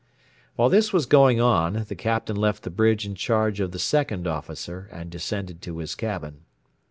While this was going on the Captain left the bridge in charge of the Second Officer and descended to his cabin.